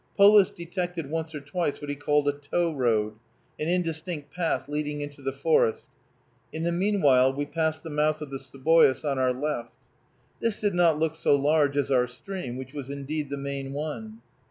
Polis detected once or twice what he called a "tow" road, an indistinct path leading into the forest. In the meanwhile we passed the mouth of the Seboois on our left. This did not look so large as our stream, which was indeed the main one.